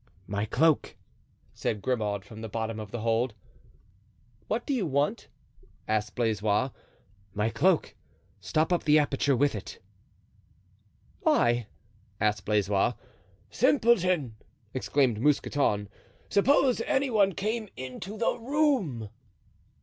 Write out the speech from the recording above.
"My cloak," said Grimaud, from the bottom of the hold. "What do you want?" asked Blaisois. "My cloak—stop up the aperture with it." "Why?" asked Blaisois. "Simpleton!" exclaimed Mousqueton; "suppose any one came into the room."